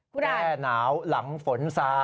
แด้หนาวหลังฝนซา